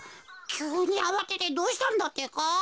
きゅうにあわててどうしたんだってか？